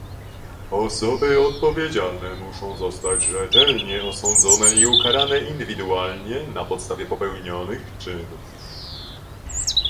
Osoby odpowiedzialne muszą zostać rzetelnie osądzone i ukarane indywidualnie, na podstawie popełnionych czynów